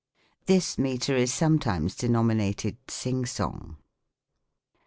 This metre is sometimes denominated sing song.